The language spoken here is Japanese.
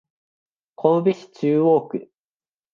神戸市中央区